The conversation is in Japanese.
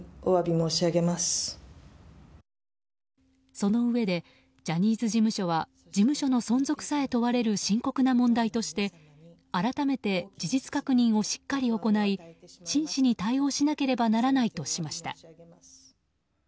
そのうえでジャニーズ事務所は事務所の存続さえ問われる深刻な問題として改めて事実確認をしっかり行い真摯に対応しなければならないとしました。